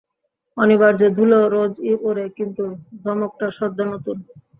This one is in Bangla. অনিবার্য ধুলো রোজই ওড়ে কিন্তু ধমকটা সদ্য নূতন।